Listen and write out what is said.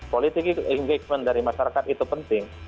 political engagement dari masyarakat itu penting